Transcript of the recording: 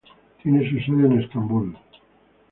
Tiene su sede en Estambul.